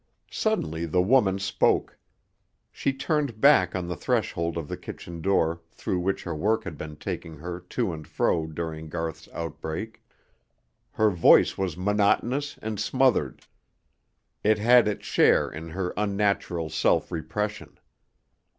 Suddenly the woman spoke. She turned back on the threshold of the kitchen door through which her work had been taking her to and fro during Garth's outbreak. Her voice was monotonous and smothered; it had its share in her unnatural self repression.